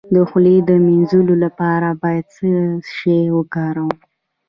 د خولې د مینځلو لپاره باید څه شی وکاروم؟